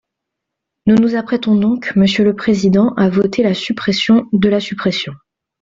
Nous nous apprêtons donc, monsieur le président, à voter la suppression de la suppression.